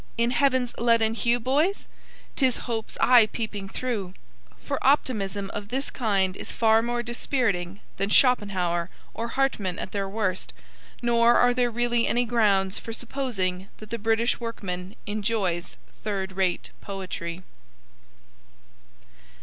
In heaven's leaden hue, boys? 'Tis hope's eye peeping through ... for optimism of this kind is far more dispiriting than Schopenhauer or Hartmann at their worst, nor are there really any grounds for supposing that the British workman enjoys third rate poetry.